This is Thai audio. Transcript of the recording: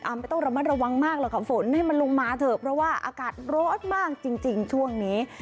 ไม่ต้องระมัดระวังมากหรอกค่ะฝนให้มันลงมาเถอะเพราะว่าอากาศร้อนมากจริงช่วงนี้